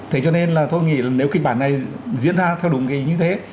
thế cho nên là tôi nghĩ nếu kịch bản này diễn ra theo đúng ý như thế